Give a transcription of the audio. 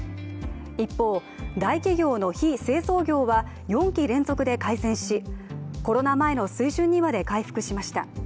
一方、大企業の非製造業は４期連続で改善し、コロナ前の水準にまで回復しました。